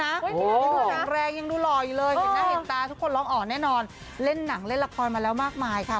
ล้างแรงยังดูหล่อยเลยสภาวะแหลงน้ำเห็นตาทุกคนลองอ่อนเนี่ยนอนเล่นหนังเล่นละครมาแล้วมากมายค่ะ